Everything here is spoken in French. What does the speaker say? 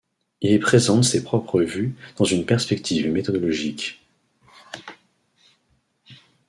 Il y présente ses propres vues dans une perspective méthodologique.